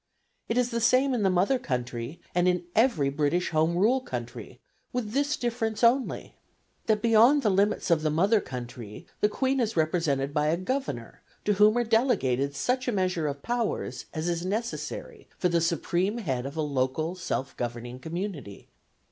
It is the same in the mother country, and in every British home rule country, with this difference only that beyond the limits of the mother country the Queen is represented by a governor to whom are delegated such a measure of powers as is necessary for the supreme head of a local self governing community.